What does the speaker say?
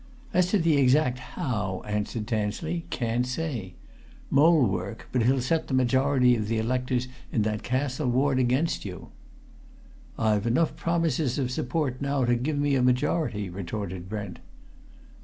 "As to the exact how," answered Tansley, "can't say! Mole work but he'll set the majority of the electors in that Castle Ward against you." "I've enough promises of support now to give me a majority," retorted Brent.